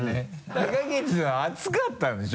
高岸は熱かったんでしょ？